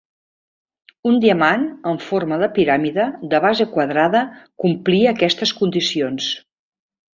Un diamant en forma de piràmide de base quadrada complia aquestes condicions.